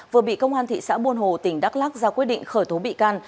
vừa bị công an thị xã buôn hồ tỉnh đắk lắc ra quyết định khởi tố bị can